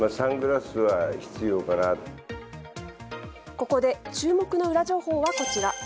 ここで注目のウラ情報はこちら。